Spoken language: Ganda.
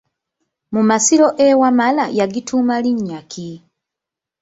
Mu masiro e Wamala yagituuma linnya ki?